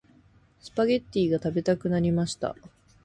スパゲッティが食べたくなりました。